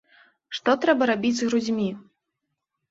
Што трэба рабіць з грудзьмі?